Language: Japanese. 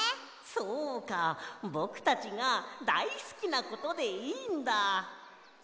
そうかぼくたちがだいすきなことでいいんだ。